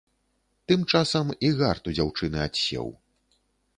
Тым часам і гарт у дзяўчыны адсеў.